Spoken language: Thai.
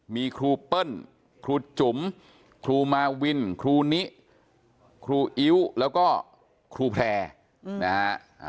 มีครูเปิ้ลครูจุ๋มครูมาวินครูนิครูอิ๊วแล้วก็ครูแพร่นะฮะ